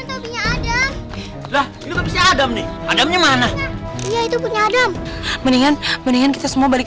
ada ada nih ada punya mana ya itu punya adam mendingan mendingan kita semua balik